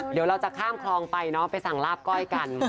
เดี๋ยวเราจะข้ามคลองไปเนาะไปสั่งลาบก้อยกัน